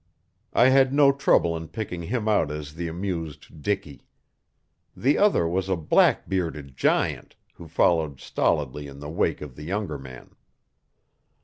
I had no trouble in picking him out as the amused Dicky. The other was a black bearded giant, who followed stolidly in the wake of the younger man.